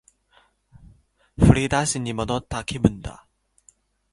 振り出しに戻った気分だ